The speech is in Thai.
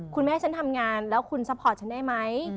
คุณแม่ฉันทำงานแล้วคุณซัพพอร์ตฉันได้ไหม